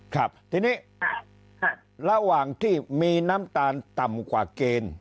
ครับทีนี้ระหว่างที่มีน้ำตาลต่ำกว่าเกณฑ์